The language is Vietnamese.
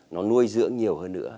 nó nuôi dưỡng nhiều hơn nữa